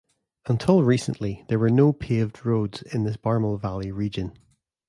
Until recently there were no paved roads in this Barmal Valley region.